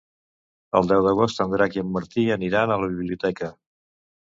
El deu d'agost en Drac i en Martí aniran a la biblioteca.